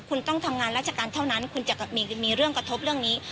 คุณต้องทำงานราชการเท่านั้นคุณจะมีเรื่องกระทบเรื่องนี้